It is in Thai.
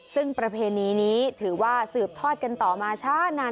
ซึ่งประเพณีนี้ถือว่าสืบทอดกันต่อมาช้านาน